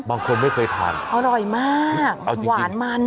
บางคนไม่เคยทานอร่อยมากหวานมัน